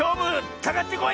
かかってこい！